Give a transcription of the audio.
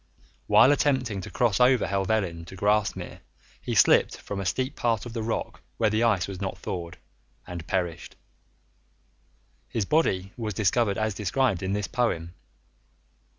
While attempting to cross over Helvellyn to Grasmere he slipped from a steep part of the rock where the ice was not thawed, and perished. His body was discovered as described in this poem.